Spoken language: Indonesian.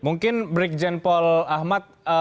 mungkin brigjen paul ahmad